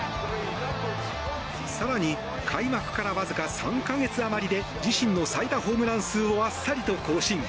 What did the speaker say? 更に開幕からわずか３か月あまりで自身の最多ホームラン数をあっさりと更新。